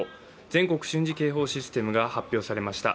全国瞬時警報システムが発表されました。